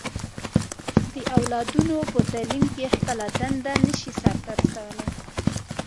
د اولادونو په تعليم کې خپله دنده نه شي سرته رسولی.